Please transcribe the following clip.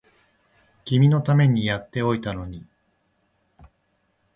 君のためにやっておいたのに